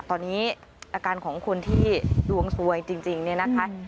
ตอนนี้อาการของคนที่ดวงสวยจริงเนี่ยนะคะ